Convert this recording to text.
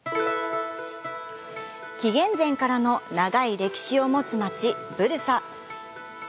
紀元前からの長い歴史を持つ街・ブルサ。